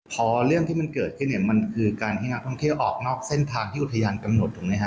พอเรื่องที่มันเกิดขึ้นเนี่ยมันคือการให้นักท่องเที่ยวออกนอกเส้นทางที่อุทยานกำหนดถูกไหมฮะ